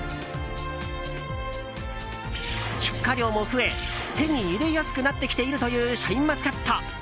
出荷量も増え、手に入れやすくなってきているというシャインマスカット。